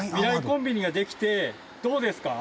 コンビニができてどうですか？